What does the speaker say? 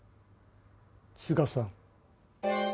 都賀さん。